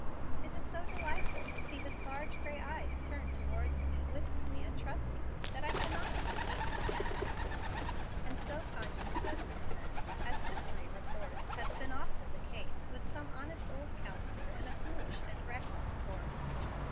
"It is so delightful to see his large gray eyes turn towards me wistfully and trustingly, that I cannot undeceive him yet"; and so conscience was dismissed, as history records has been often the case with some honest old counsellor in a foolish and reckless court.